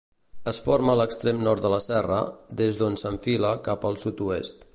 Es forma a l'extrem nord de la Serra, des d'on s'enfila cap al sud-oest.